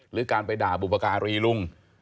หรือการไปด่าบุปการีลุง